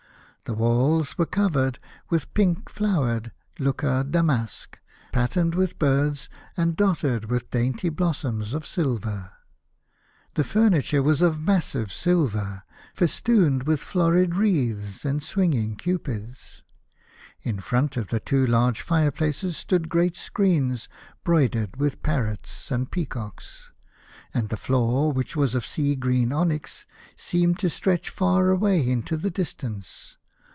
The walls were covered with a pink flowered Lucca damask, patterned with birds and dotted with dainty blossoms of silver ; the furniture was of massive silver, festooned with florid wreaths, and swinging Cupids ; in front of the two large fire places stood great screens broidered with parrots and 56 The Birthday of the Infanta. peacocks, and the floor, which was of sea green onyx, seemed to stretch far away into the dis tance.